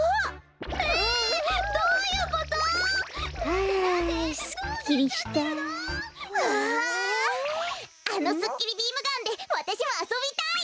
あのすっきりビームガンでわたしもあそびたい！